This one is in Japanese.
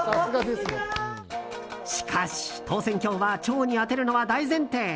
しかし、投扇興は蝶に当てるのは大前提。